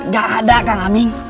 gak ada kang aming